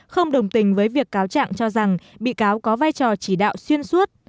không đồng tình với việc cáo trạng cho rằng bị cáo có vai trò chỉ đạo xuyên suốt